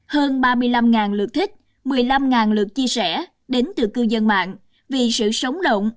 hơn ba mươi năm lượt thích một mươi năm lượt chia sẻ đến từ cư dân mạng vì sự sống động